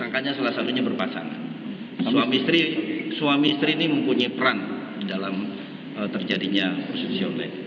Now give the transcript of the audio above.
ketua tersangka ini memiliki peran di dalam prostitusi online